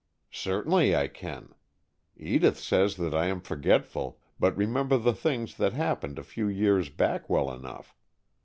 "Certainly I can. Edith says that I am forgetful, but remember the things that happened a few years back well enough.